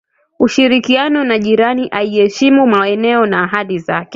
ushirikiano na jirani aiyeheshimu maneno na ahadi zake